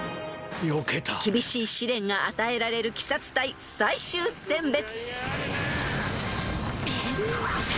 ［厳しい試練が与えられる鬼殺隊最終選別］